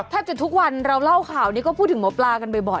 แทบจะทุกวันเราเล่าข่าวนี้ก็พูดถึงหมอปลากันบ่อย